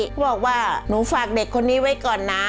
ก็บอกว่าหนูฝากเด็กคนนี้ไว้ก่อนนะ